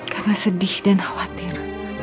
karena sedih dan khawatir